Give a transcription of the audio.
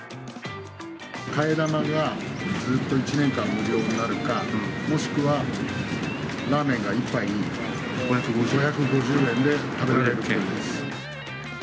替え玉がずーっと１年間無料になるか、もしくはラーメンが１杯５５０円で食べられる券です。